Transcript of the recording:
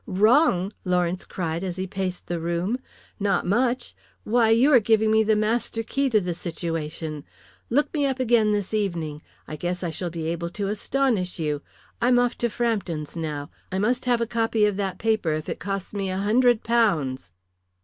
"Wrong?" Lawrence cried as he paced the room. "Not much. Why, you are giving me the master key to the situation. Look me up again this evening. I guess I shall be able to astonish you. I'm off to Frampton's now. I must have a copy of that paper if it costs me a hundred pounds."